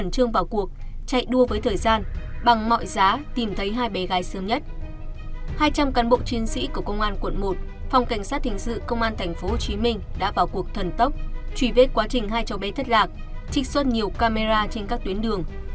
trùy vết quá trình hai cháu bé thất lạc trích xuất nhiều camera trên các tuyến đường